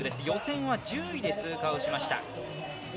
予選は１０位で通過しました。